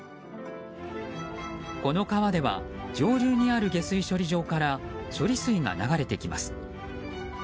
この川では上流にある下水処理場から処理水が流れてきます。